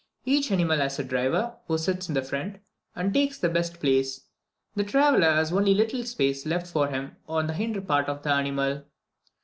Here each animal has a driver, who sits in front and takes the best place; the traveller has only a little space left for him on the hinder part of the animal.